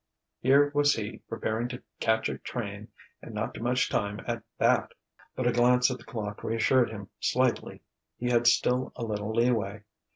Here was he preparing to catch a train, and not too much time at that.... But a glance at the clock reassured him slightly; he had still a little leeway.